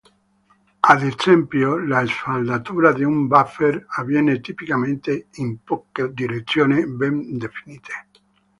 Ad esempio, la sfaldatura di un wafer avviene tipicamente in poche direzioni ben definite.